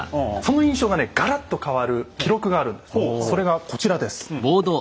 それがこちらです。